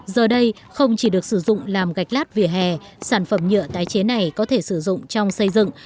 giờ đây không chỉ được sử dụng làm gạch lát vỉa hè sản phẩm nhựa tái chế này có thể sử dụng trong xây dựng